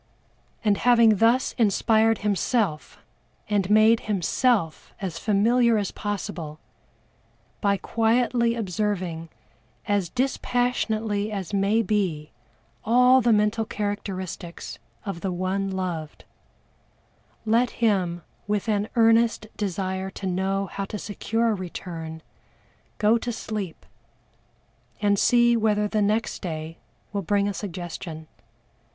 And having thus inspired himself, and made himself as familiar as possible, by quietly observing as dispassionately as may be all the mental characteristics of the one loved, let him with an earnest desire to know how to secure a return, go to sleep, and see whether the next day will bring a suggestion.